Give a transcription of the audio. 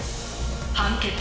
「判決。